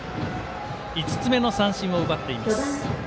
５つ目の三振を奪っています。